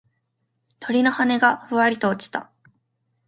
鳥の羽がふわりと落ちた。